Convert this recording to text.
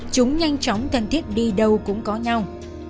chúng nhanh chóng thân thiết đi đâu cũng có nhau